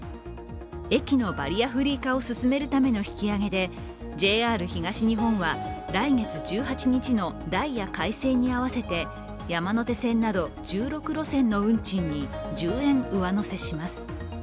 駅のバリアフリー化を進めるための引き上げでＪＲ東日本は来月１８日のダイヤ改正に合わせて山手線など１６路線の運賃に１０円上乗せします。